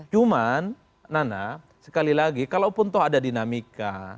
cuman nana sekali lagi kalaupun toh ada dinamika